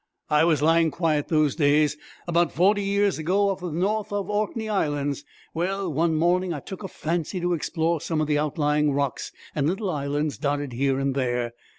I was lying quiet those days, about forty years ago, off the north of the Orkney Islands. Well, one morning I took a fancy to explore some of the outlying rocks and little islands dotted here and there.